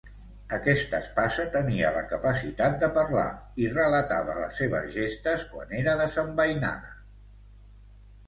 Aquesta espasa tenia la capacitat de parlar i relatava les seves gestes quan era desembeinada.